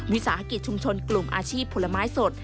วิสาหกิจชุมชนกลุ่มอาชีพผลไม้สด